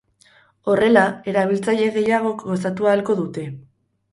Horrela, erabiltzaile gehiagok gozatu ahalko dute.